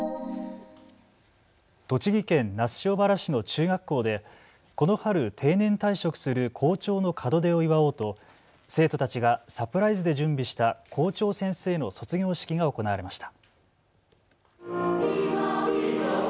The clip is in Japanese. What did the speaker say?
栃木県那須塩原市の中学校でこの春、定年退職する校長の門出を祝おうと生徒たちがサプライズで準備した校長先生の卒業式が行われました。